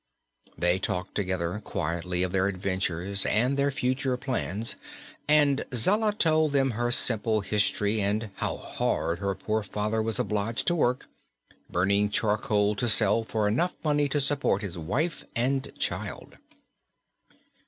They talked together quietly of their adventures and their future plans and Zella told them her simple history and how hard her poor father was obliged to work, burning charcoal to sell for enough money to support his wife and child.